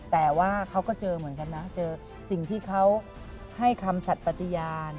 แต่ว่าเขาก็เจอเหมือนกันนะเจอสิ่งที่เขาให้คำสัตว์ปฏิญาณ